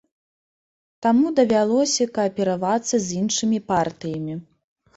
Таму давялося кааперавацца з іншымі партыямі.